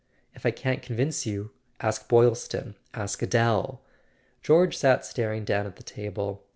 If I can't convince you, ask Boylston—ask Adele !" George sat staring down at the table.